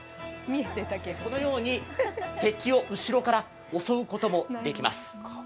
このように敵を後ろから襲うこともできます。